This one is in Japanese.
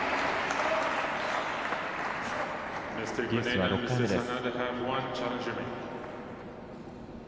デュースは６回目です。